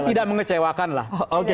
tidak mengecewakan lah